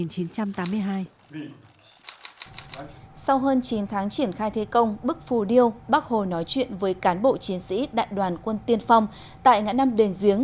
sau hơn chín tháng triển khai thế công bức phù điêu bác hồ nói chuyện với cán bộ chiến sĩ đại đoàn quân tiên phong tại ngã năm đền giếng